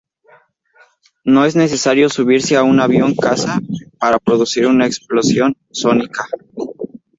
No es necesario subirse a un avión caza para producir una explosión sónica.